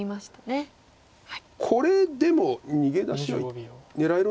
これでも逃げ出しは狙えるんですね。